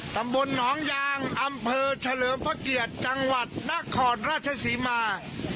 ตำบลหนองยางอำเภอเฉลิมพระเกียรติจังหวัดนครราชศรีมา